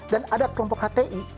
dan ada kelompok hti